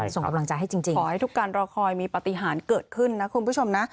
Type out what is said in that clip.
ส่งกำลังใจให้จริงขอให้ทุกการรอคอยมีปฏิหารเกิดขึ้นนะคุณผู้ชมนะ